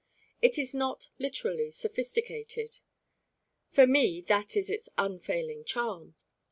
It is not literally sophisticated. For me that is its unfailing charm.